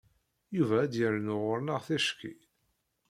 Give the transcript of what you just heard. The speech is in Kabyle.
Yuba ad d-yernu ɣur-neɣ ticki.